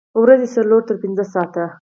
ورځې څلور تر پنځه ساعته